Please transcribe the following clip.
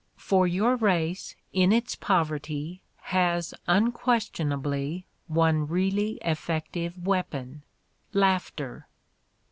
For your race, in its poverty, has unquestionably one really effective weapon — laughter.